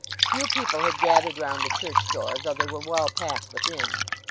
Few people had gathered round the church door though they were well packed within.